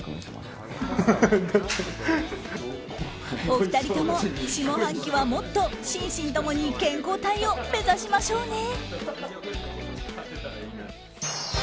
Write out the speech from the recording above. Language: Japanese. お二人とも下半期はもっと心身ともに健康体を目指しましょうね。